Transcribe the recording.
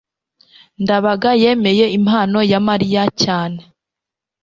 ndabaga yemeye impano ya mariya cyane